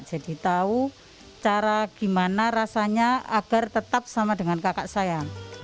tahu cara gimana rasanya agar tetap sama dengan kakak saya